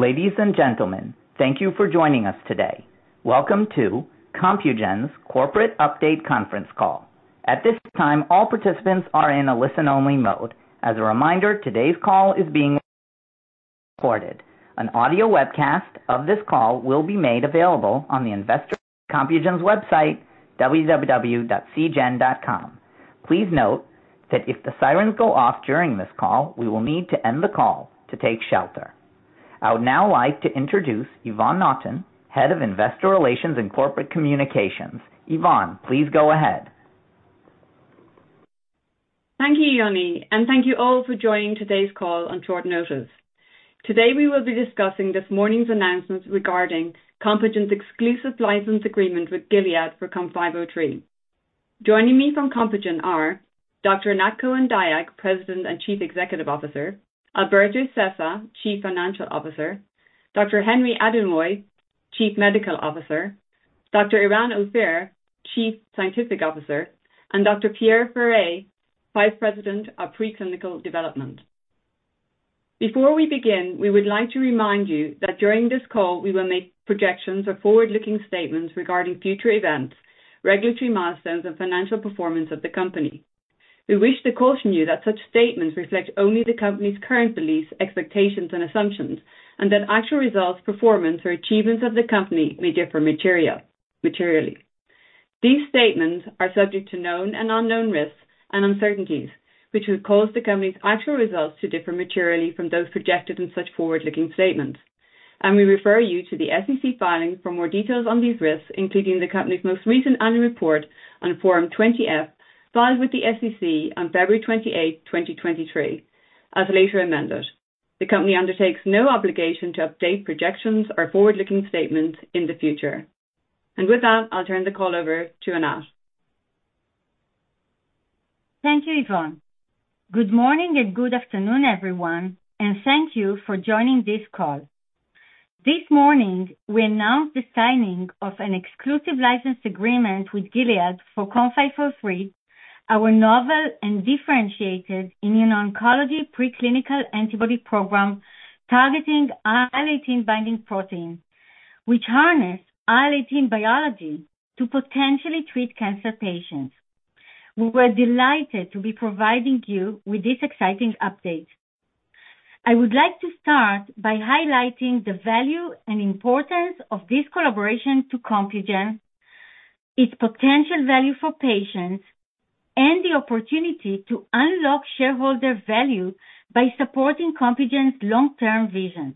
Ladies and gentlemen, thank you for joining us today. Welcome to Compugen's Corporate Update Conference Call. At this time, all participants are in a listen-only mode. As a reminder, today's call is being recorded. An audio webcast of this call will be made available on Compugen's investor website, www.cgen.com. Please note that if the sirens go off during this call, we will need to end the call to take shelter. I would now like to introduce Yvonne Naughton, Head of Investor Relations and Corporate Communications. Yvonne, please go ahead. Thank you, Yvonne, and thank you all for joining today's call on short notice. Today, we will be discussing this morning's announcements regarding Compugen's exclusive license agreement with Gilead for COM503. Joining me from Compugen are Dr. Anat Cohen-Dayag, President and Chief Executive Officer; Alberto Sessa, Chief Financial Officer; Dr. Henry Adewoye, Chief Medical Officer; Dr. Eran Ophir, Chief Scientific Officer; and Dr. Pierre Ferré, Vice President of Preclinical Development. Before we begin, we would like to remind you that during this call, we will make projections or forward-looking statements regarding future events, regulatory milestones, and financial performance of the company. We wish to caution you that such statements reflect only the company's current beliefs, expectations, and assumptions, and that actual results, performance, or achievements of the company may differ materially. These statements are subject to known and unknown risks and uncertainties, which would cause the company's actual results to differ materially from those projected in such forward-looking statements. We refer you to the SEC filing for more details on these risks, including the company's most recent annual report on Form 20-F, filed with the SEC on February 28, 2023, as later amended. The company undertakes no obligation to update projections or forward-looking statements in the future. And with that, I'll turn the call over to Anat. Thank you, Yvonne. Good morning and good afternoon, everyone, and thank you for joining this call. This morning, we announced the signing of an exclusive license agreement with Gilead for COM503, our novel and differentiated immuno-oncology preclinical antibody program, targeting IL-18 binding protein, which harness IL-18 biology to potentially treat cancer patients. We were delighted to be providing you with this exciting update. I would like to start by highlighting the value and importance of this collaboration to Compugen, its potential value for patients, and the opportunity to unlock shareholder value by supporting Compugen's long-term vision.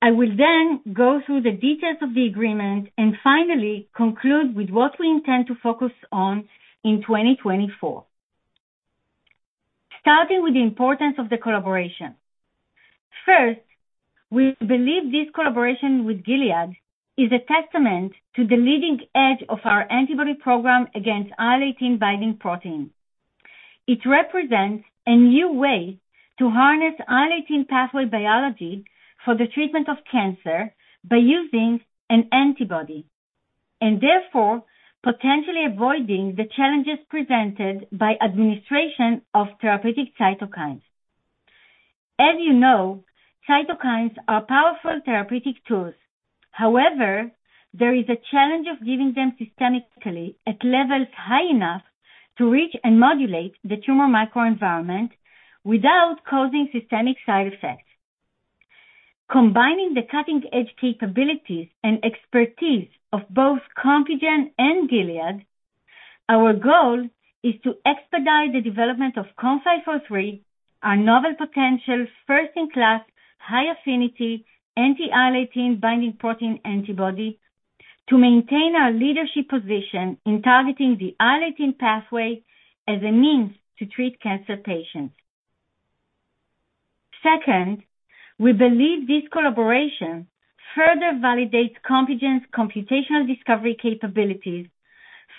I will then go through the details of the agreement and finally conclude with what we intend to focus on in 2024. Starting with the importance of the collaboration. First, we believe this collaboration with Gilead is a testament to the leading edge of our antibody program against IL-18 binding protein. It represents a new way to harness IL-18 pathway biology for the treatment of cancer by using an antibody, and therefore potentially avoiding the challenges presented by administration of therapeutic cytokines. As you know, cytokines are powerful therapeutic tools. However, there is a challenge of giving them systemically at levels high enough to reach and modulate the tumor microenvironment without causing systemic side effects. Combining the cutting-edge capabilities and expertise of both Compugen and Gilead, our goal is to expedite the development of COM503, our novel potential first-in-class, high-affinity anti-IL-18 binding protein antibody, to maintain our leadership position in targeting the IL-18 pathway as a means to treat cancer patients. Second, we believe this collaboration further validates Compugen's computational discovery capabilities,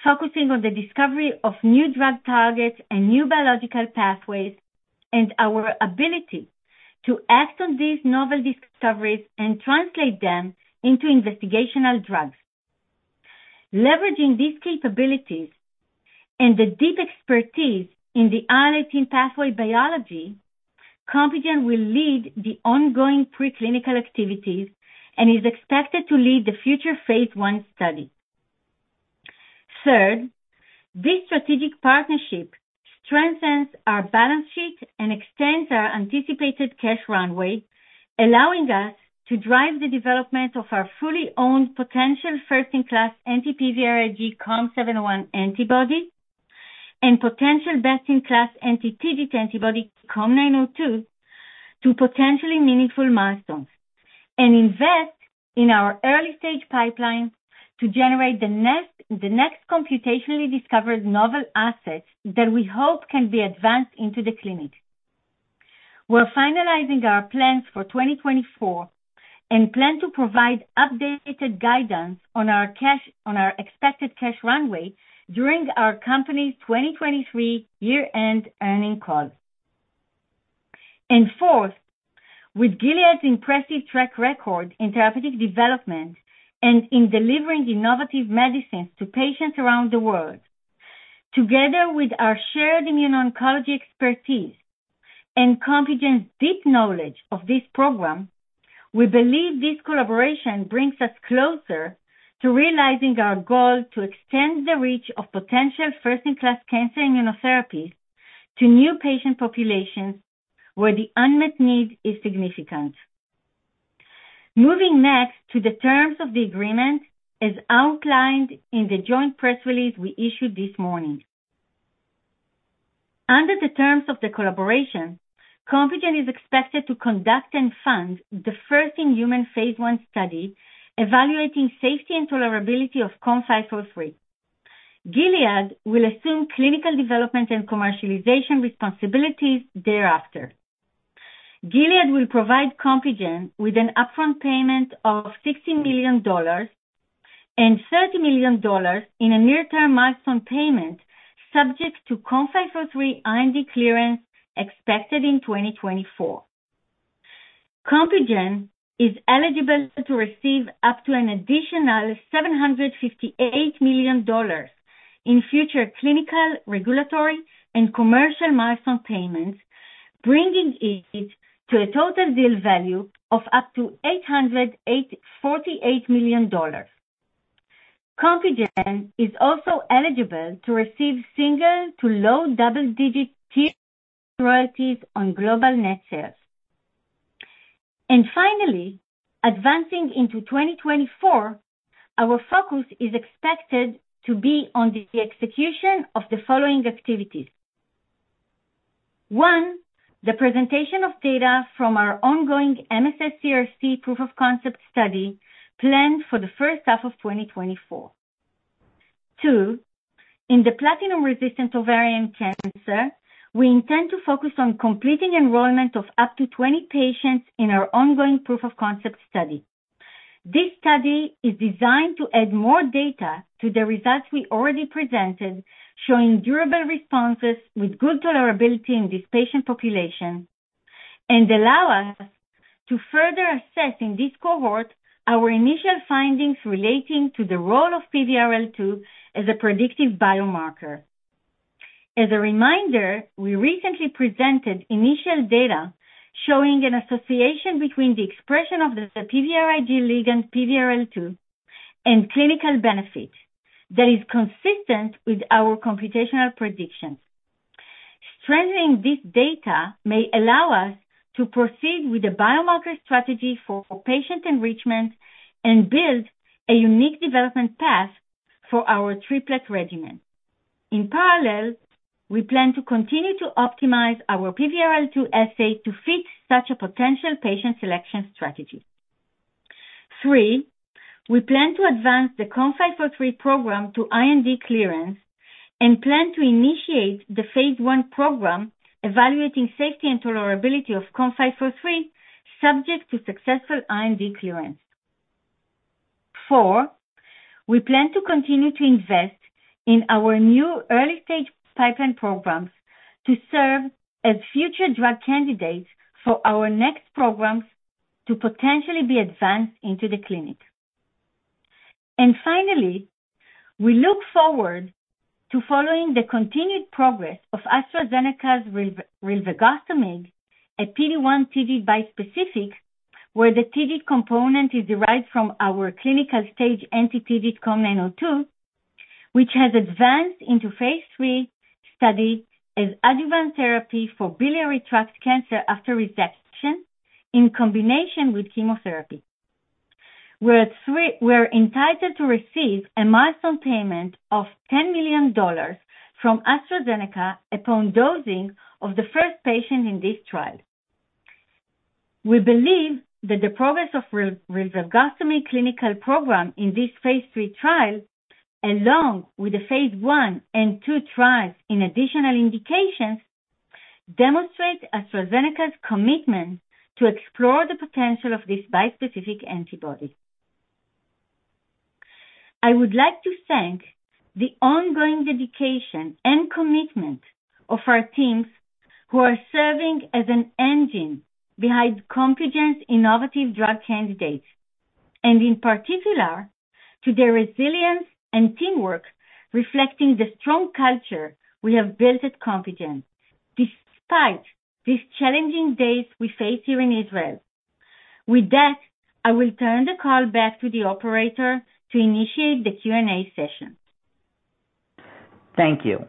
focusing on the discovery of new drug targets and new biological pathways, and our ability to act on these novel discoveries and translate them into investigational drugs. Leveraging these capabilities and the deep expertise in the IL-18 pathway biology, Compugen will lead the ongoing preclinical activities and is expected to lead the future phase I study. Third, this strategic partnership strengthens our balance sheet and extends our anticipated cash runway, allowing us to drive the development of our fully owned potential first-in-class anti-PVRIG COM701 antibody and potential best-in-class anti-TIGIT antibody, COM902, to potentially meaningful milestones, and invest in our early-stage pipeline to generate the next, the next computationally discovered novel assets that we hope can be advanced into the clinic. We're finalizing our plans for 2024 and plan to provide updated guidance on our expected cash runway during our company's 2023 year-end earnings call. And fourth, with Gilead's impressive track record in therapeutic development and in delivering innovative medicines to patients around the world. Together with our shared immuno-oncology expertise and Compugen's deep knowledge of this program, we believe this collaboration brings us closer to realizing our goal to extend the reach of potential first-in-class cancer immunotherapies to new patient populations where the unmet need is significant. Moving next to the terms of the agreement, as outlined in the joint press release we issued this morning. Under the terms of the collaboration, Compugen is expected to conduct and fund the first-in-human phase I study, evaluating safety and tolerability of COM503. Gilead will assume clinical development and commercialization responsibilities thereafter. Gilead will provide Compugen with an upfront payment of $60 million and $30 million in a near-term milestone payment, subject to COM503 IND clearance, expected in 2024. Compugen is eligible to receive up to an additional $758 million in future clinical, regulatory, and commercial milestone payments, bringing it to a total deal value of up to $848 million. Compugen is also eligible to receive single to low double-digit tier royalties on global net sales. Finally, advancing into 2024, our focus is expected to be on the execution of the following activities. One, the presentation of data from our ongoing MSS CRC proof of concept study, planned for the first half of 2024. Two, in the Platinum-resistant ovarian cancer, we intend to focus on completing enrollment of up to 20 patients in our ongoing proof of concept study. This study is designed to add more data to the results we already presented, showing durable responses with good tolerability in this patient population and allow us to further assess, in this cohort, our initial findings relating to the role of PVRL2 as a predictive biomarker. As a reminder, we recently presented initial data showing an association between the expression of the PVRIG ligand, PVRL2, and clinical benefit that is consistent with our computational predictions. Strengthening this data may allow us to proceed with a biomarker strategy for patient enrichment and build a unique development path for our triplet regimen. In parallel, we plan to continue to optimize our PVRL2 assay to fit such a potential patient selection strategy. Three, we plan to advance the COM503 program to IND clearance and plan to initiate the phase I program, evaluating safety and tolerability of COM503, subject to successful IND clearance. Four, we plan to continue to invest in our new early-stage pipeline programs to serve as future drug candidates for our next programs to potentially be advanced into the clinic. And finally, we look forward to following the continued progress of AstraZeneca's rilvegostomig, a PD-1/TIGIT bispecific, where the TIGIT component is derived from our clinical-stage anti-TIGIT COM902, which has advanced into phase III study as adjuvant therapy for biliary tract cancer after resection in combination with chemotherapy. We're entitled to receive a milestone payment of $10 million from AstraZeneca upon dosing of the first patient in this trial. We believe that the progress of rilvegostomig clinical program in this phase III trial, along with the phase I and II trials in additional indications, demonstrate AstraZeneca's commitment to explore the potential of this bispecific antibody. I would like to thank the ongoing dedication and commitment of our teams, who are serving as an engine behind Compugen's innovative drug candidates, and in particular, to their resilience and teamwork, reflecting the strong culture we have built at Compugen, despite these challenging days we face here in Israel. With that, I will turn the call back to the operator to initiate the Q&A session. Thank you.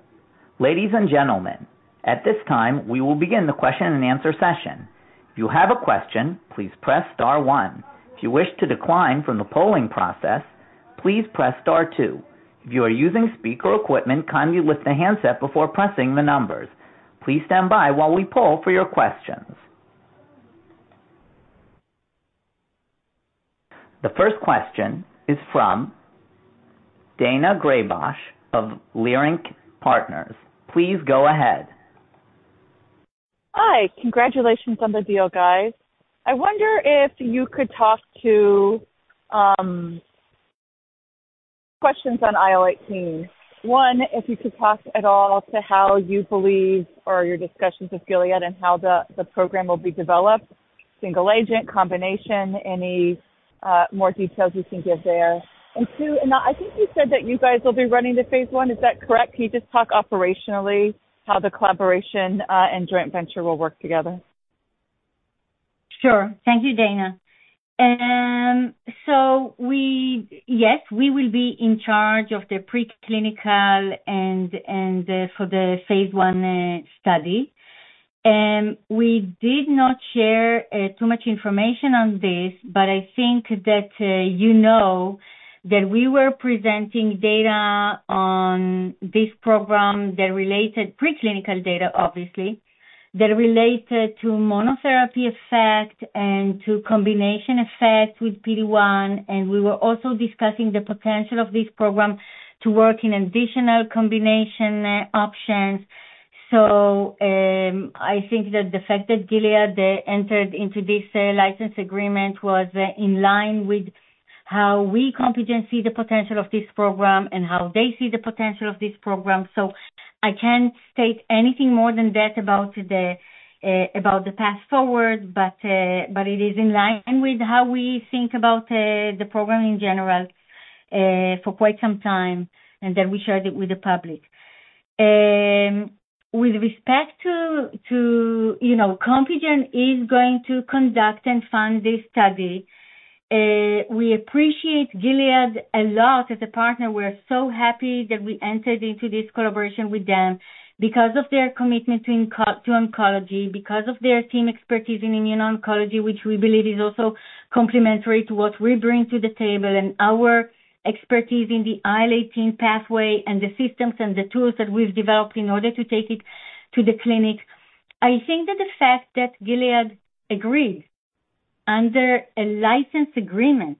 Ladies and gentlemen, at this time, we will begin the question-and-answer session. If you have a question, please press star one. If you wish to decline from the polling process, please press star two. If you are using speaker equipment, kindly lift the handset before pressing the numbers. Please stand by while we poll for your questions. The first question is from Daina Graybosch of Leerink Partners. Please go ahead. Hi. Congratulations on the deal, guys. I wonder if you could talk to questions on IL-18. One, if you could talk at all to how you believe, or your discussions with Gilead, and how the program will be developed? Single agent, combination, any more details you can give there? And two, and I think you said that you guys will be running the phase I, is that correct? Can you just talk operationally how the collaboration and joint venture will work together? Sure. Thank you, Daina. So yes, we will be in charge of the preclinical and for the phase I study. We did not share too much information on this, but I think that you know that we were presenting data on this program, preclinical data, obviously, that related to monotherapy effect and to combination effect with PD-1. And we were also discussing the potential of this program to work in additional combination options. So I think that the fact that Gilead they entered into this license agreement was in line with how we Compugen see the potential of this program and how they see the potential of this program. So I can't state anything more than that about the path forward. But it is in line with how we think about the program in general for quite some time, and that we shared it with the public. With respect to, you know, Compugen is going to conduct and fund this study. We appreciate Gilead a lot as a partner. We're so happy that we entered into this collaboration with them because of their commitment to oncology, because of their team expertise in immuno-oncology, which we believe is also complementary to what we bring to the table, and our expertise in the IL-18 pathway and the systems and the tools that we've developed in order to take it to the clinic. I think that the fact that Gilead agreed under a license agreement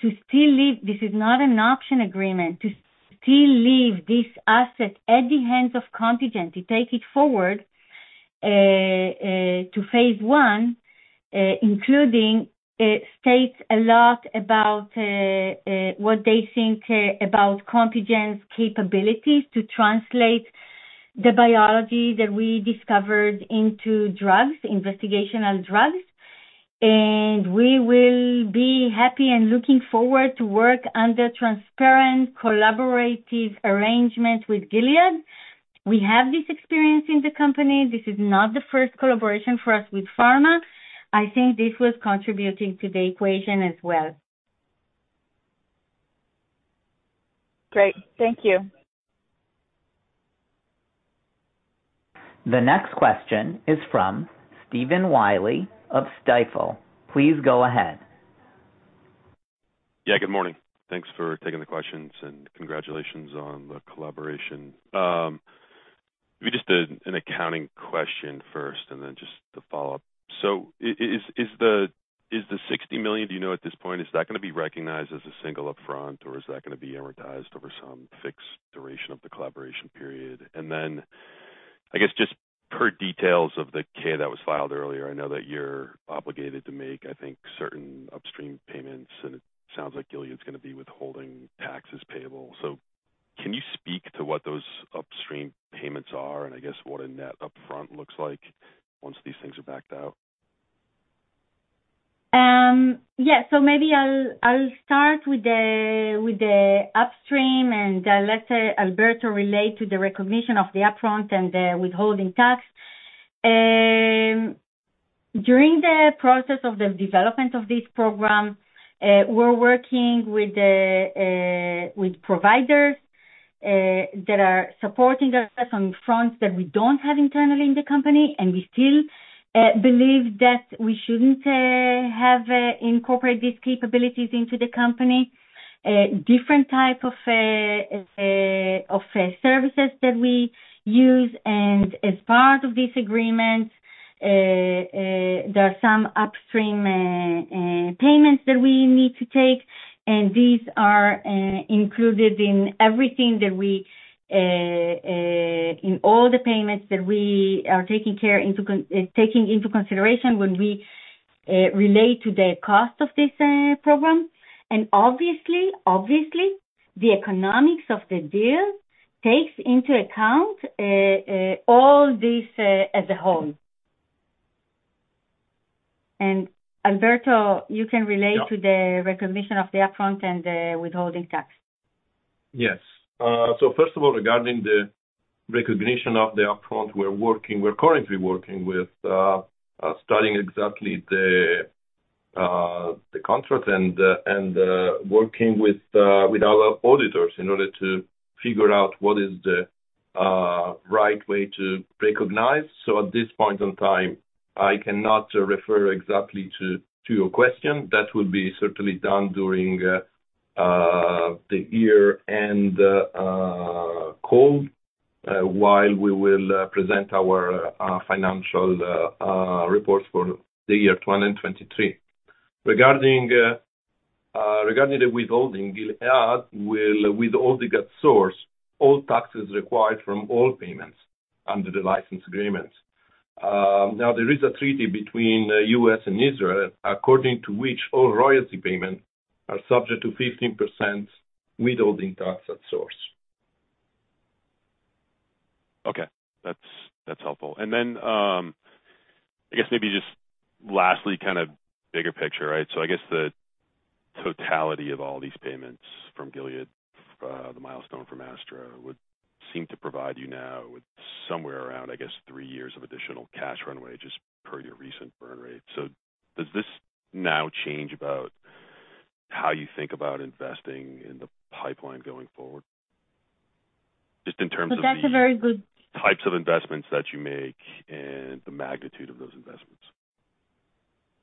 to still leave, this is not an option agreement, to still leave this asset at the hands of Compugen, to take it forward, to phase I, including, states a lot about, what they think, about Compugen's capabilities to translate the biology that we discovered into drugs, investigational drugs. And we will be happy and looking forward to work under transparent, collaborative arrangements with Gilead. We have this experience in the company. This is not the first collaboration for us with pharma. I think this was contributing to the equation as well. Great. Thank you. The next question is from Stephen Willey of Stifel. Please go ahead. Yeah, good morning. Thanks for taking the questions, and congratulations on the collaboration. Maybe just an accounting question first, and then just to follow up. So is the $60 million, do you know at this point, is that gonna be recognized as a single upfront, or is that gonna be amortized over some fixed duration of the collaboration period? And then, I guess just per details of the K that was filed earlier, I know that you're obligated to make, I think, certain upstream payments, and it sounds like Gilead's gonna be withholding taxes payable. So can you speak to what those upstream payments are and I guess what a net upfront looks like once these things are backed out? Yes. So maybe I'll start with the upstream, and let Alberto relate to the recognition of the upfront and the withholding tax. During the process of the development of this program, we're working with providers that are supporting us on fronts that we don't have internally in the company, and we still believe that we shouldn't incorporate these capabilities into the company. Different type of services that we use. And as part of this agreement, there are some upstream payments that we need to take, and these are included in all the payments that we are taking into consideration when we relate to the cost of this program. Obviously, obviously, the economics of the deal takes into account all this as a whole. Alberto, you can relate- Yeah. To the recognition of the upfront and withholding tax. Yes. So first of all, regarding the recognition of the upfront, we're working, we're currently working with, studying exactly the, the contract and, and, working with, with our auditors in order to figure out what is the, right way to recognize. So at this point in time, I cannot refer exactly to your question. That will be certainly done during the year-end call, while we will present our financial reports for the year 2023. Regarding the withholding, Gilead will withhold the source, all taxes required from all payments under the license agreement. Now, there is a treaty between U.S. and Israel, according to which all royalty payments are subject to 15% withholding tax at source. Okay, that's, that's helpful. And then, I guess maybe just lastly, kind of bigger picture, right? So I guess the totality of all these payments from Gilead, the milestone from Astra, would seem to provide you now with somewhere around, I guess, three years of additional cash runway, just per your recent burn rate. So does this now change about how you think about investing in the pipeline going forward? Just in terms of the- That's a very good- types of investments that you make and the magnitude of those investments.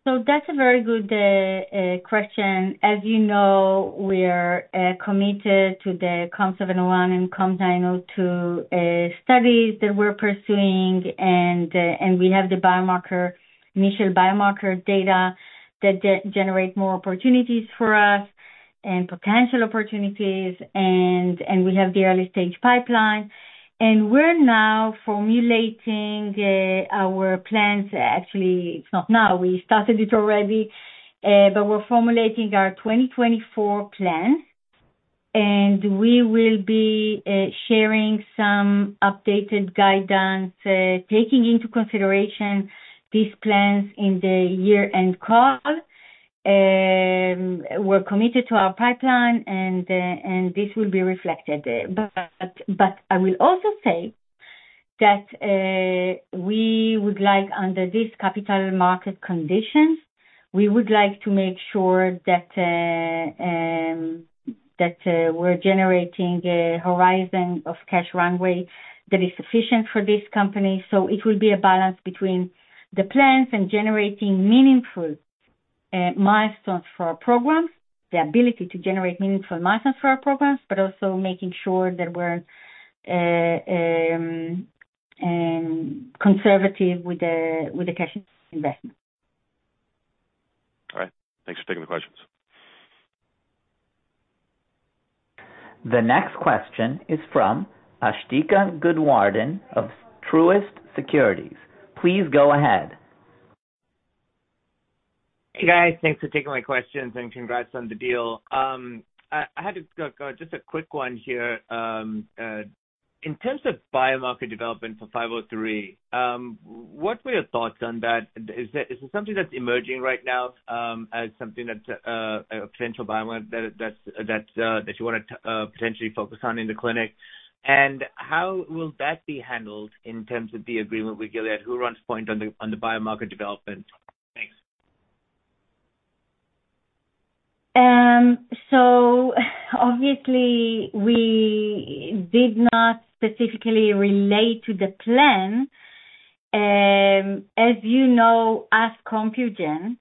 So that's a very good question. As you know, we are committed to the COM701 and COM902 studies that we're pursuing. And we have the biomarker, initial biomarker data that generate more opportunities for us and potential opportunities. And we have the early-stage pipeline, and we're now formulating our plans. Actually, it's not now, we started it already, but we're formulating our 2024 plans, and we will be sharing some updated guidance taking into consideration these plans in the year-end call. We're committed to our pipeline and this will be reflected. But, but I will also say that, we would like, under these capital market conditions, we would like to make sure that, that, we're generating a horizon of cash runway that is sufficient for this company. So it will be a balance between the plans and generating meaningful, milestones for our programs, the ability to generate meaningful milestones for our programs, but also making sure that we're, conservative with the cash investment. All right. Thanks for taking the questions. The next question is from Asthika Goonewardene of Truist Securities. Please go ahead. Hey, guys. Thanks for taking my questions and congrats on the deal. I just have a quick one here. In terms of biomarker development for COM503, what were your thoughts on that? Is that? Is this something that's emerging right now, as something that's a potential biomarker that you wanna potentially focus on in the clinic? And how will that be handled in terms of the agreement with Gilead? Who runs point on the biomarker development? Thanks. So obviously, we did not specifically relate to the plan. As you know, as Compugen,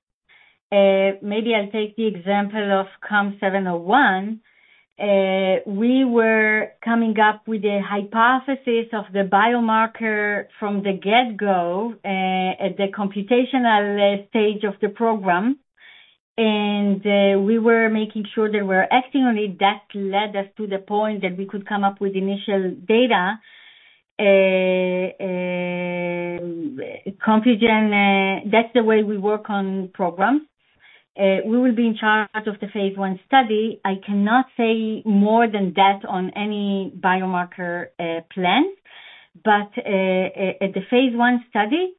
maybe I'll take the example of COM701. We were coming up with a hypothesis of the biomarker from the get-go, at the computational stage of the program. And we were making sure that we were acting on it. That led us to the point that we could come up with initial data. Compugen, that's the way we work on programs. We will be in charge of the phase I study. I cannot say more than that on any biomarker plans, but at the phase one study,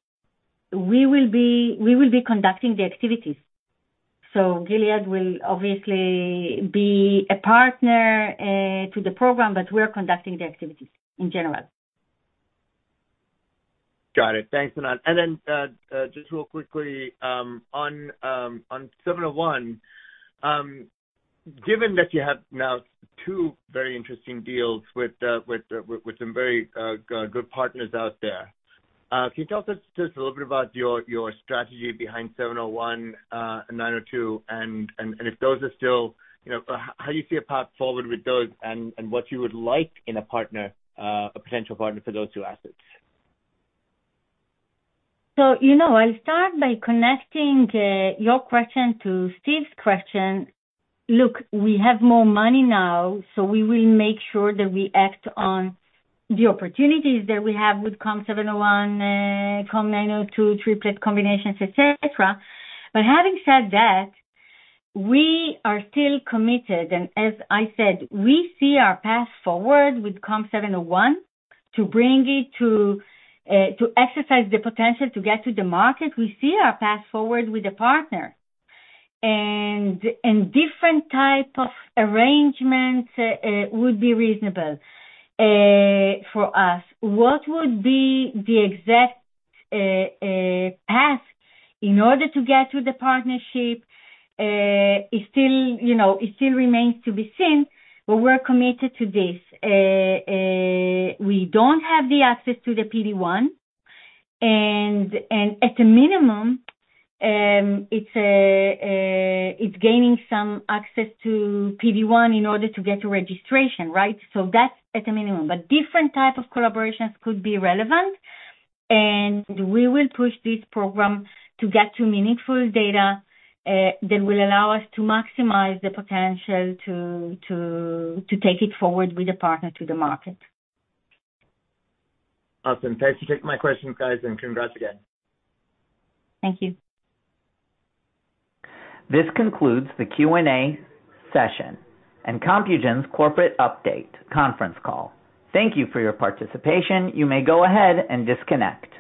we will be, we will be conducting the activities. So Gilead will obviously be a partner to the program, but we're conducting the activities in general. Got it. Thanks, Anat. And then, just real quickly, on 701, given that you have now two very interesting deals with, with some very good partners out there, can you tell us just a little bit about your, your strategy behind 701, and 902? And, and, and if those are still, you know, how do you see a path forward with those and, and what you would like in a partner, a potential partner for those two assets? So, you know, I'll start by connecting your question to Steve's question. Look, we have more money now, so we will make sure that we act on the opportunities that we have with COM701, COM902, triplet combinations, et cetera. But having said that, we are still committed, and as I said, we see our path forward with COM701 to bring it to exercise the potential to get to the market. We see our path forward with a partner, and different type of arrangements would be reasonable for us. What would be the exact path in order to get to the partnership? It still, you know, it still remains to be seen, but we're committed to this. We don't have the access to the PD-1, and at a minimum, it's gaining some access to PD-1 in order to get to registration, right? So that's at a minimum. But different type of collaborations could be relevant, and we will push this program to get to meaningful data that will allow us to maximize the potential to take it forward with a partner to the market. Awesome. Thanks for taking my questions, guys, and congrats again. Thank you. This concludes the Q&A session and Compugen's corporate update conference call. Thank you for your participation. You may go ahead and disconnect.